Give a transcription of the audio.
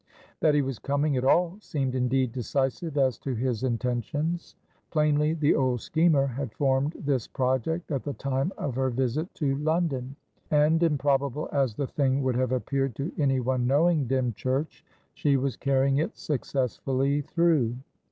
That he was coming at all seemed, indeed, decisive as to his intentions. Plainly, the old schemer had formed this project at the time of her visit to London, and, improbable as the thing would have appeared to any one knowing Dymchurch, she was carrying it successfully through.